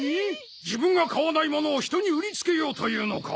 自分が買わないものを人に売りつけようというのか！